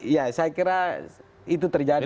ya saya kira itu terjadi